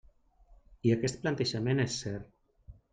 I aquest plantejament és cert.